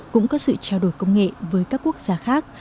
cũng có sự trao đổi công nghệ với các quốc gia khác